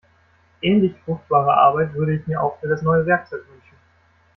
Ähnlich fruchtbare Arbeit würde ich mir auch für das neue Werkzeug wünschen.